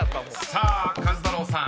［さあ壱太郎さん］